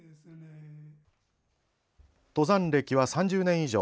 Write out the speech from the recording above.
登山歴は３０年以上。